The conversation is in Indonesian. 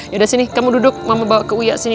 ya udah sini kamu duduk mama bawa ke uya sini